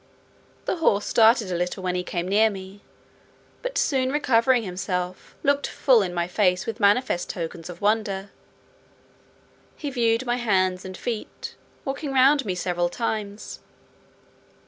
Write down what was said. The horse started a little, when he came near me, but soon recovering himself, looked full in my face with manifest tokens of wonder; he viewed my hands and feet, walking round me several times.